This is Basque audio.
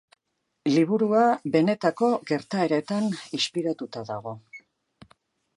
Liburua benetako gertaeretan inspiratuta dago.